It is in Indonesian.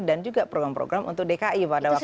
dan juga program program untuk dki pada waktu itu